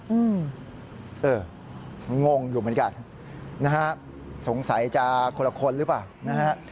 อืมเอองงอยู่เหมือนกันนะฮะสงสัยจะคนละคนหรือเปล่านะฮะ